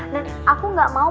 dan aku enggak mau